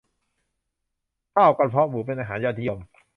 ข้าวกระเพาะหมูเป็นอาหารยอดนิยม